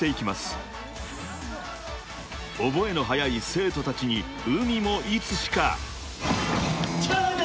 ［覚えの早い生徒たちにＵＭＩもいつしか］